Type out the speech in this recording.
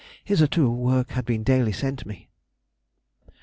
Hitherto work had been daily sent me.